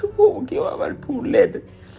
พวกผมคิดว่ามันพูดเล่น